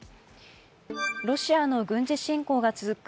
ロシアの軍事侵攻が続く